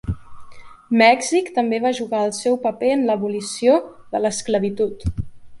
Mèxic també va jugar el seu paper en l'abolició de l'esclavitud.